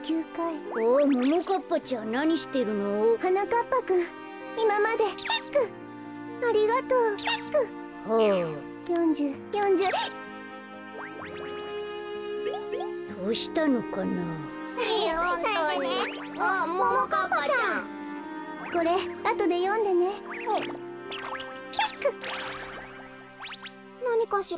なにかしら？